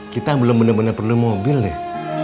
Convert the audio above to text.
kita belum bener bener perlu mobil deh